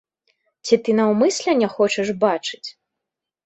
Ці ты наўмысля не хочаш бачыць?